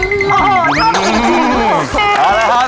ตายแล้ว